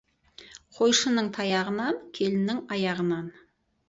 Қойшының таяғынан, келіннің аяғынан.